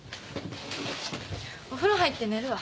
お風呂入って寝るわ。